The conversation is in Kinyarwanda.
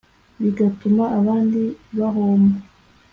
bigatuma abandi bahomba